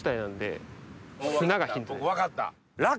僕分かった！